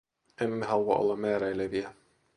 Emme halua olla määräileviä.